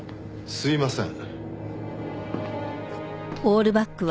吸いません。